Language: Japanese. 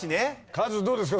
カズどうですか？